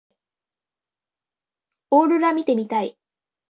オーロラ見てみたい。